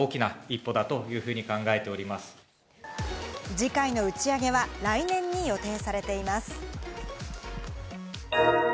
次回の打ち上げは来年に予定されています。